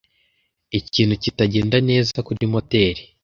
Ikintu kitagenda neza kuri moteri.